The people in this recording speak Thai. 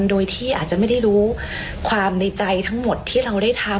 โดยที่อาจจะไม่ได้รู้ความในใจทั้งหมดที่เราได้ทำ